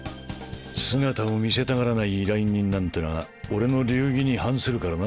姿を見せたがらない依頼人なんてのは俺の流儀に反するからな。